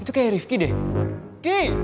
itu kayak rifqi deh